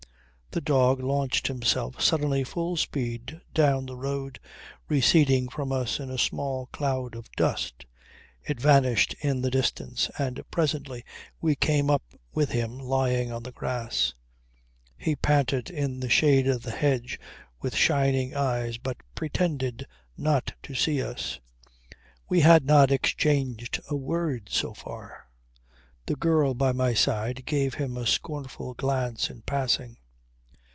The dog launched himself suddenly full speed down the road receding from us in a small cloud of dust. It vanished in the distance, and presently we came up with him lying on the grass. He panted in the shade of the hedge with shining eyes but pretended not to see us. We had not exchanged a word so far. The girl by my side gave him a scornful glance in passing.